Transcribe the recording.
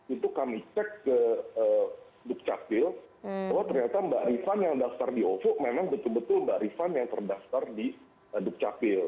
itu kami cek ke dukcapil bahwa ternyata mbak rifan yang daftar di ovo memang betul betul mbak rifan yang terdaftar di dukcapil